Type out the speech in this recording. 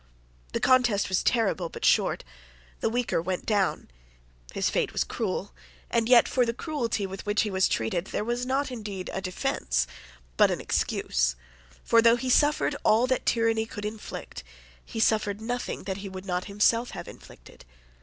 The contest was terrible, but short. The weaker went down. His fate was cruel; and yet for the cruelty with which he was treated there was, not indeed a defence, but an excuse: for, though he suffered all that tyranny could inflict, he suffered nothing that he would not himself have inflicted.